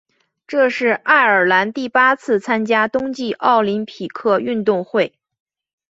这是爱尔兰第八次参加冬季奥林匹克运动会。